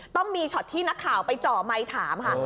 ต้องมีช็อตที่นักข่าวไปจ่อไมค์ถามค่ะ